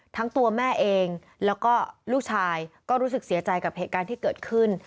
ทั้งตัวแม่เองแล้วก็ลูกชายก็รู้สึกเสียใจกับเหตุการณ์ที่เกิดขึ้น